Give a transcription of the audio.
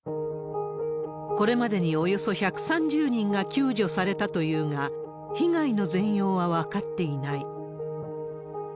これまでにおよそ１３０人が救助されたというが、被害の全容は分かっていない。